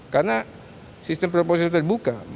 karena sistem proposional terbuka